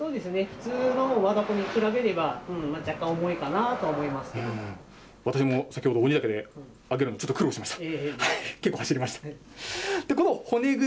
普通の和だこに比べれば若干重い私も先ほど、鬼岳で揚げるのに、ちょっと苦労しました。